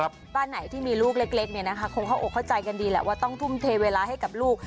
บ้านไหนที่มีลูกเล็กเนี่ยนะคะคงเข้าอกเข้าใจกันดีแหละว่าต้องทุ่มเทเวลาให้กับลูก